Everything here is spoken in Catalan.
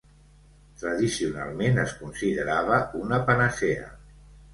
Tradicionalment es considerava una panacea.